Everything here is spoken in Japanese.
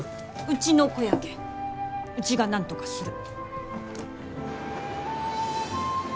うちの子やけんうちがなんとかする。